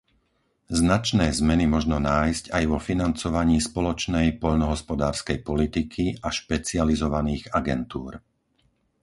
Značné zmeny možno nájsť aj vo financovaní spoločnej poľnohospodárskej politiky a špecializovaných agentúr.